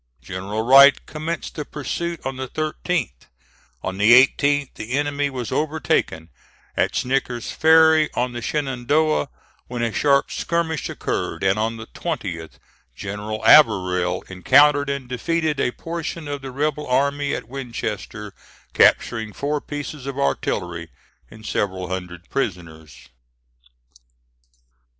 General Wright commenced the pursuit on the 13th; on the 18th the enemy was overtaken at Snicker's Ferry, on the Shenandoah, when a sharp skirmish occurred; and on the 20th, General Averell encountered and defeated a portion of the rebel army at Winchester, capturing four pieces of artillery and several hundred prisoners.